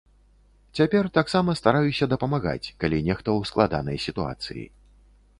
Цяпер таксама стараюся дапамагаць, калі нехта ў складанай сітуацыі.